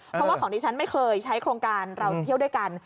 เพราะว่าของดิฉันไม่เคยใช้โครงการเราเที่ยวด้วยกัน